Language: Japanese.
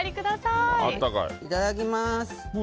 いただきます。